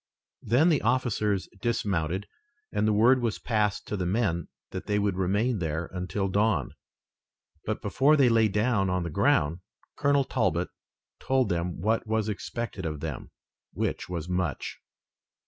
Then the officers dismounted, and the word was passed to the men that they would remain there until dawn, but before they lay down on the ground Colonel Talbot told them what was expected of them, which was much.